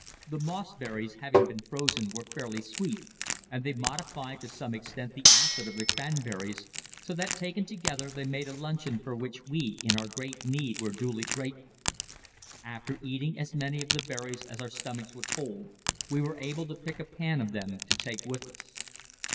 The mossberries, having been frozen, were fairly sweet, and they modified, to some extent, the acid of the cranberries, so that taken together they made a luncheon for which we, in our great need, were duly grateful. After eating as many of the berries as our stomachs would hold, we were able to pick a pan of them to take with us.